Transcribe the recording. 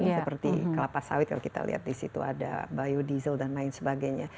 seperti kelapa sawit kalau kita lihat di situ ada biodiesel dan lain sebagainya